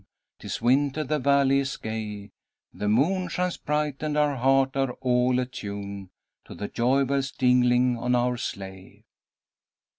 'Tis winter, the Valley is gay. The moon shines bright and our hearts are all atune, To the joy bells jingling on our sleigh."